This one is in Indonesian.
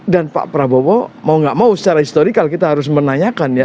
dan pak prabowo mau gak mau secara historical kita harus menanyakan ya